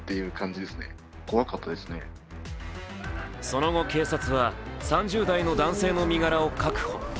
その後、警察は３０代の男性の身柄を確保。